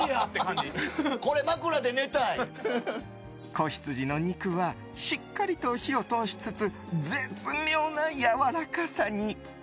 仔羊の肉はしっかりと火を通しつつ絶妙なやわらかさに。